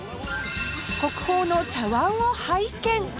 国宝の茶碗を拝見